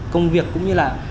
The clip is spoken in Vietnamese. công việc cũng như là